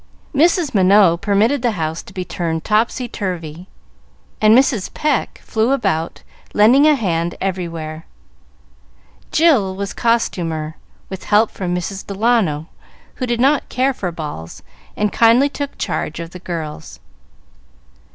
Mrs. Minot permitted the house to be turned topsy turvy, and Mrs. Pecq flew about, lending a hand everywhere. Jill was costumer, with help from Miss Delano, who did not care for balls, and kindly took charge of the girls.